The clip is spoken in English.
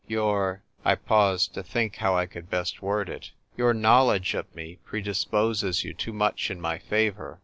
Your" — ^I paused to think how I could best word it; "your knowledge of me predisposes you too much in my favour."